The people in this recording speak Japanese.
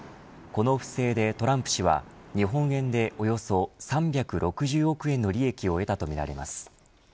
この不正でトランプ氏は日本円でおよそ３６０億円の利益を得たとみられます。